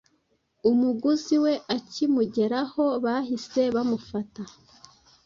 umuguzi we akimugeraho bahise bamufata